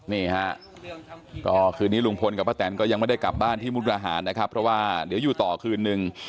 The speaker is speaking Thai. นี่ฮะก็คืนนี้ลุงพลกับป้าแตนก็ยังไม่ได้กลับบ้านที่มุกราหารนะครับเพราะว่าเดี๋ยวอยู่ต่อคืนนึง